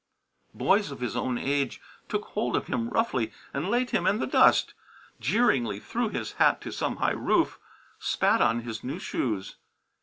Boys of his own age took hold of him roughly and laid him in the dust, jeeringly threw his hat to some high roof, spat on his new shoes.